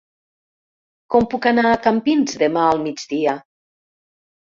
Com puc anar a Campins demà al migdia?